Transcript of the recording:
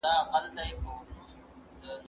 زه بايد لاس پرېولم.